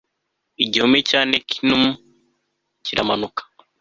Igihome cya Nequinum kiramanuka